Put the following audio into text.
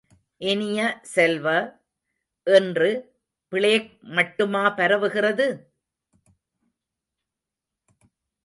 இனிய செல்வ, இன்று பிளேக் மட்டுமா பரவுகிறது?